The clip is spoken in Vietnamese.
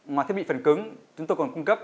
ngoài thiết bị phần cứng chúng tôi còn cung cấp